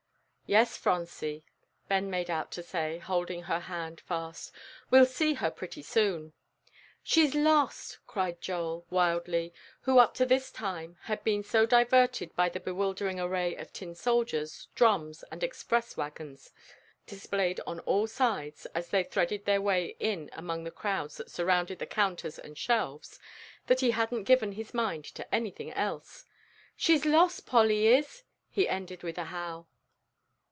"Yes, Phronsie," Ben made out to say, holding her hand fast; "we'll see her pretty soon." "She's lost!" cried Joel, wildly, who up to this time had been so diverted by the bewildering array of tin soldiers, drums, and express wagons displayed on all sides as they threaded their way in among the crowds that surrounded the counters and shelves, that he hadn't given his mind to anything else. "She's lost, Polly is!" he ended with a howl.